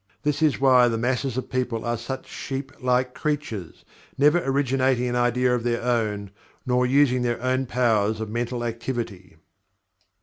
This is why the masses of people are such sheeplike creatures, never originating an idea of their own, nor using their own powers of mental activity.